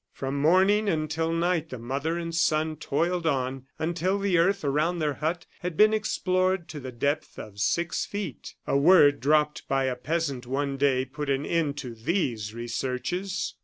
From morning until night the mother and son toiled on, until the earth around their hut had been explored to the depth of six feet. A word dropped by a peasant one day put an end to these researches.